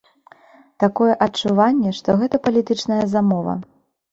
Такое адчуванне, што гэта палітычная замова.